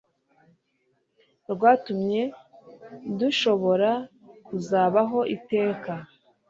rwatumye dushobora kuzabaho iteka